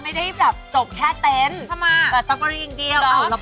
ตามแอฟผู้ชมห้องน้ำด้านนอกกันเลยดีกว่าครับ